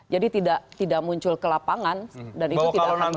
jadi tidak muncul ke lapangan dan itu tidak akan mengganggu